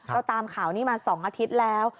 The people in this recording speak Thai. เราตามข่าวนี้มา๒อาทิตย์แล้ว